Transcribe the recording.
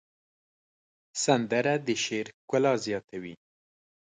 سندره د شعر ښکلا زیاتوي